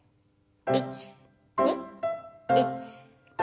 １２１２。